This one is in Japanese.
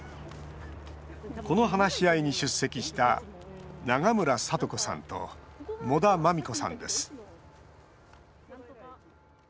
この話し合いに出席した長村さと子さんと茂田まみこさんです。